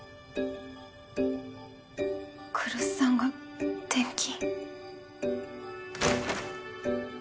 来栖さんが転勤？